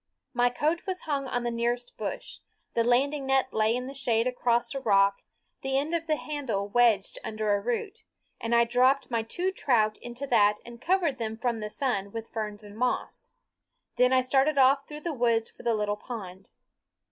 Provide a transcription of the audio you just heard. My coat was hung on the nearest bush; the landing net lay in the shade across a rock, the end of the handle wedged under a root, and I dropped my two trout into that and covered them from the sun with ferns and moss. Then I started off through the woods for the little pond.